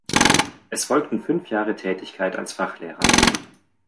Es folgten fünf Jahre Tätigkeit als Fachlehrer.